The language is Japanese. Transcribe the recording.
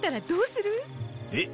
えっ？